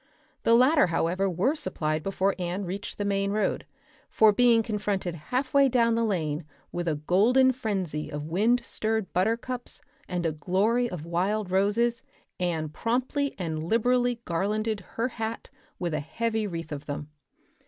The latter, however, were supplied before Anne reached the main road, for being confronted halfway down the lane with a golden frenzy of wind stirred buttercups and a glory of wild roses, Anne promptly and liberally garlanded her hat with a heavy wreath of them.